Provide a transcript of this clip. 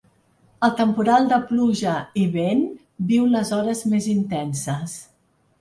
El temporal de pluja i vent viu les hores més intenses.